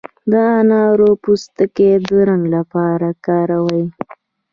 د انارو پوستکي د رنګ لپاره کاروي.